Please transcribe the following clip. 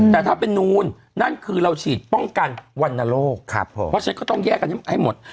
แต่ถ้าเป็นนูนนั่นคือเราฉีดป้องกันวรรณโรคเพราะฉะนั้นก็ต้องแยกกันให้หมด